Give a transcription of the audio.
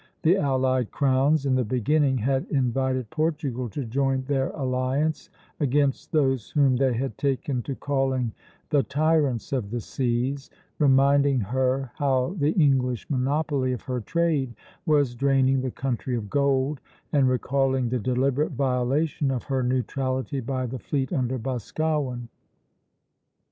The allied crowns in the beginning had invited Portugal to join their alliance against those whom they had taken to calling the "tyrants of the seas," reminding her how the English monopoly of her trade was draining the country of gold, and recalling the deliberate violation of her neutrality by the fleet under Boscawen.